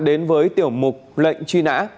đến với tiểu mục lệnh truy nã